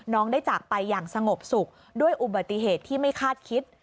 ได้จากไปอย่างสงบสุขด้วยอุบัติเหตุที่ไม่คาดคิด